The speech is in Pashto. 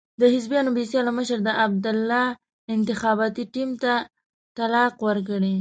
د حزبیانو بې سیاله مشر د عبدالله انتخاباتي ټیم ته طلاق ورکړی.